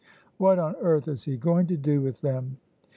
"What on earth is he going to do with them?"